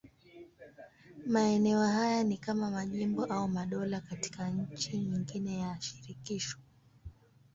Maeneo haya ni kama majimbo au madola katika nchi nyingine ya shirikisho.